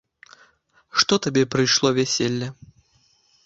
Што табе прыйшло вяселле?